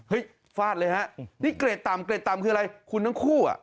เฮ้ยฟาดเลยฮะนี่เกรดต่ำคืออะไรคุณทั้งคู่อ่ะ